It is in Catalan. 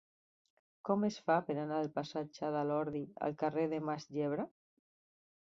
Com es fa per anar del passatge de l'Ordi al carrer de Mas Yebra?